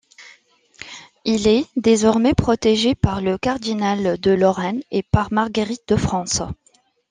Il est désormais protégé par le cardinal de Lorraine et par Marguerite de France.